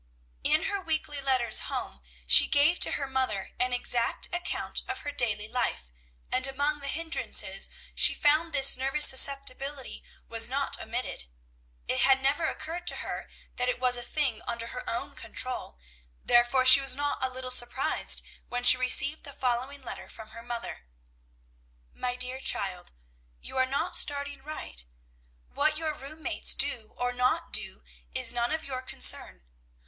In her weekly letters home she gave to her mother an exact account of her daily life, and among the hindrances she found this nervous susceptibility was not omitted. It had never occurred to her that it was a thing under her own control, therefore she was not a little surprised when she received the following letter from her mother: "MY DEAR CHILD, You are not starting right. What your room mates do, or do not do, is none of your concern.